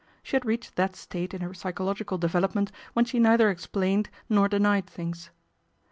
She had reached that state in her psycho logical development when she neither explained nor denied things.